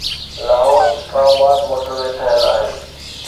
Lahore Islamabad motorway ٺهيل آهي.